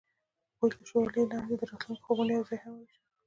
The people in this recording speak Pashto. هغوی د شعله لاندې د راتلونکي خوبونه یوځای هم وویشل.